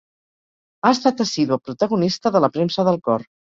Ha estat assídua protagonista de la premsa del cor.